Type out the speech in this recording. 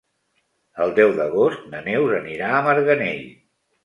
El deu d'agost na Neus anirà a Marganell.